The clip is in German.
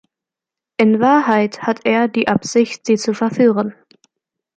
In Wahrheit hat er die Absicht, sie zu verführen.